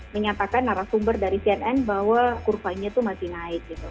menyatakan narasumber dari cnn bahwa kurvanya itu masih naik gitu